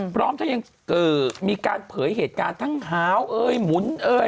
พร้อมที่ยังมีการเผยเหตุการณ์ทั้งหาวหมุน